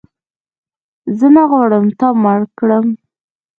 زه نه غواړم تا مړ کړم